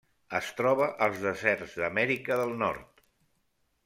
Es troba als deserts d'Amèrica del Nord.